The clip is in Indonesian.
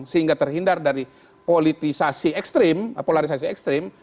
sehingga terhindar dari politisasi ekstrim polarisasi ekstrim